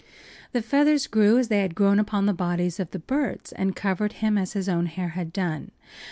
The feathers grew as they had grown upon the bodies of the birds and covered him as his own hair had done.